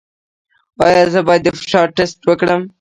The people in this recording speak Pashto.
ایا زه باید د فشار ټسټ وکړم؟